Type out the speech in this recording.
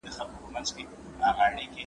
ښوونځی ته ولاړ سه؟!